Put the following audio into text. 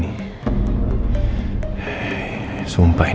harus an kit